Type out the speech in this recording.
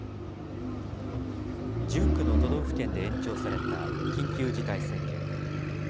１９の都道府県で延長された緊急事態宣言。